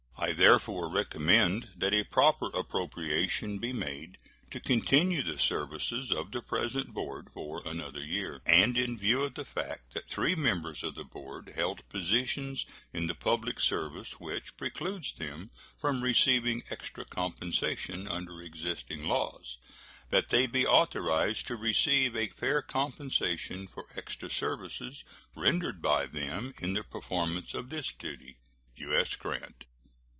I therefore recommend that a proper appropriation be made to continue the services of the present board for another year, and in view of the fact that three members of the board held positions in the public service, which precludes them from receiving extra compensation, under existing laws, that they be authorized to receive a fair compensation for extra services rendered by them in the performance of this duty. U.S. GRANT.